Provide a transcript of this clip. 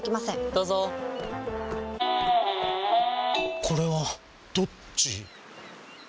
どうぞこれはどっち？